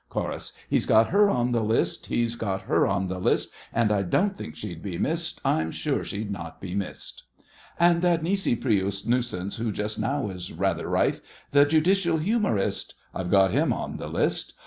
CHORUS. He's got her on the list—he's got her on the list; And I don't think she'll be missed—I'm sure she'll not be missed! And that Nisi Prius nuisance, who just now is rather rife, The Judicial humorist—I've got him on the list!